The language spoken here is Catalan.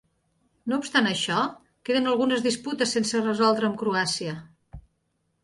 No obstant això, queden algunes disputes sense resoldre amb Croàcia.